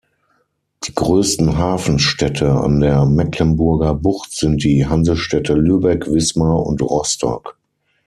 Die größten Hafenstädte an der Mecklenburger Bucht sind die Hansestädte Lübeck, Wismar und Rostock.